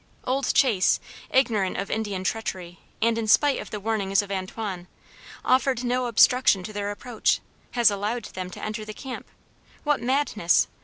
Old Chase, ignorant of Indian treachery and in spite of the warnings of Antoine, offering no obstruction to their approach, has allowed them to enter the camp. What madness!